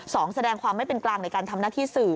สองแสดงความไม่เป็นกลางในการทำหน้าที่สื่อ